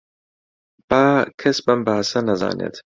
با کەس بەم باسە نەزانێت